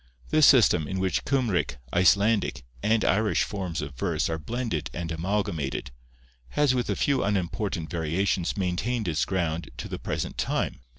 This system, in which Cymric, Icelandic, and Irish forms of verse are blended and amalgamated, has with a few unimportant variations maintained its ground to the present time.